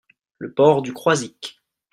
le port du Croizic.